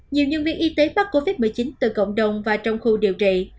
nhiều nhân viên y tế mắc covid một mươi chín từ cộng đồng và trong khu điều trị